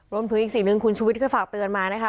รวมถึงอีกสิ่งหนึ่งคุณชุวิตก็ฝากเตือนมานะคะ